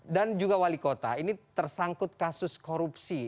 dan juga wali kota ini tersangkut kasus korupsi